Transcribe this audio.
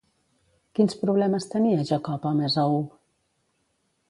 Quins problemes tenia Jacob amb Esaú?